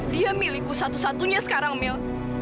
dia milikku satu satunya sekarang mil